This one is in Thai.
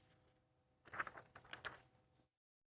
มีคนร้องบอกให้ช่วยด้วยก็เห็นภาพเมื่อสักครู่นี้เราจะได้ยินเสียงเข้ามาเลย